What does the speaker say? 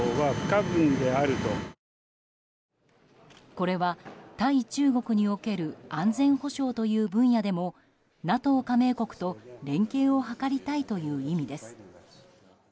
これは、対中国における安全保障という分野でもＮＡＴＯ加盟国と連携を図りたいという意味です。